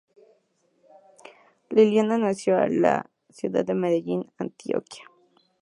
Liliana nació en la ciudad de Medellín, Antioquia.